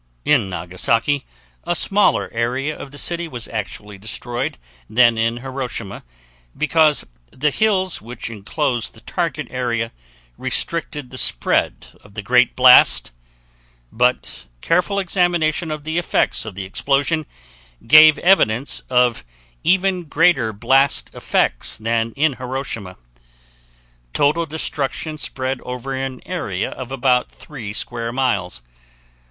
In Nagasaki, a smaller area of the city was actually destroyed than in Hiroshima, because the hills which enclosed the target area restricted the spread of the great blast; but careful examination of the effects of the explosion gave evidence of even greater blast effects than in Hiroshima. Total destruction spread over an area of about 3 square miles.